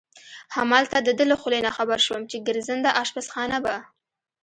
همالته د ده له خولې نه خبر شوم چې ګرځنده اشپزخانه به.